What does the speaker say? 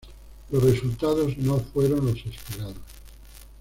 Los resultados no fueron los esperados.